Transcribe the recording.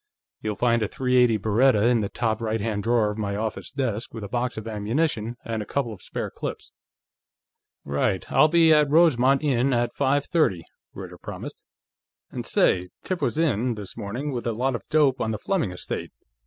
You'll find a .380 Beretta in the top right hand drawer of my office desk, with a box of ammunition and a couple of spare clips." "Right. I'll be at Rosemont Inn at five thirty," Ritter promised. "And say, Tip was in, this morning, with a lot of dope on the Fleming estate.